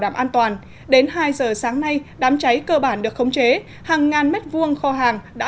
đảm an toàn đến hai giờ sáng nay đám cháy cơ bản được khống chế hàng ngàn mét vuông kho hàng đã